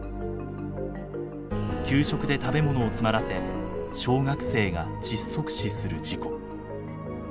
給食で食べ物を詰まらせ小学生が窒息死する事故。